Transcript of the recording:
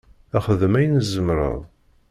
Xdem ayen tzemreḍ.